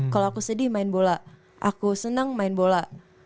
kalo aku sedih main bola aku seneng main bola